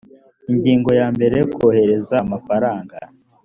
ingingo ya mbere kohereza amafaranga